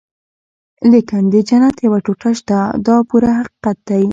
لیکن د جنت یوه ټوټه شته دا پوره حقیقت دی.